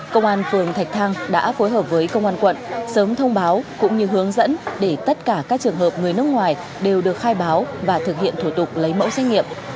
công an phường thạch thang đã phối hợp với công an quận sớm thông báo cũng như hướng dẫn để tất cả các trường hợp người nước ngoài đều được khai báo và thực hiện thủ tục lấy mẫu xét nghiệm